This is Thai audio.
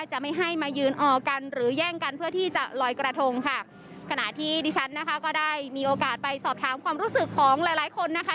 จะไม่ให้มายืนออกกันหรือแย่งกันเพื่อที่จะลอยกระทงค่ะขณะที่ดิฉันนะคะก็ได้มีโอกาสไปสอบถามความรู้สึกของหลายหลายคนนะคะ